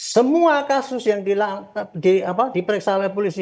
semua kasus yang diperiksa oleh polisi